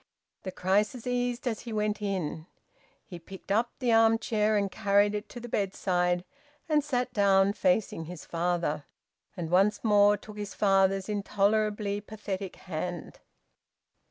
The crisis eased as he went in. He picked up the arm chair and carried it to the bedside and sat down facing his father, and once more took his father's intolerably pathetic hand.